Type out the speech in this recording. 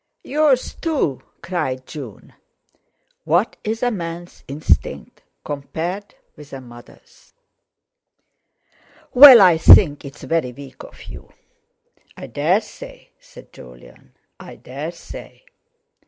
"Yours too," cried June. "What is a man's instinct compared with a mother's?" "Well, I think it's very weak of you." "I dare say," said Jolyon, "I dare say."